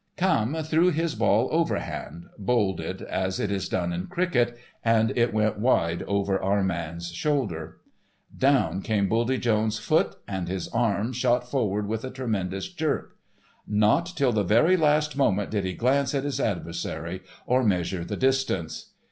Camme threw his ball overhand—bowled it as is done in cricket, and it went wide over our man's shoulder. Down came Buldy Jones' foot, and his arm shot forward with a tremendous jerk. Not till the very last moment did he glance at his adversary or measure the distance.